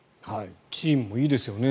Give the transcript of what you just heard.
チームもいいですよね